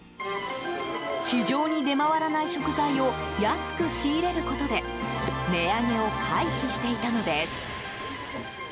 市場に出回らない食材を安く仕入れることで値上げを回避していたのです。